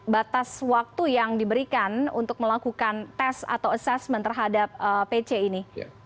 batas waktu yang diberikan untuk melakukan tes atau assessment terhadap pc ini